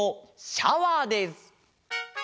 「シャワー」です！